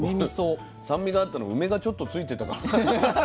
あら俺酸味があったのは梅がちょっとついてたから。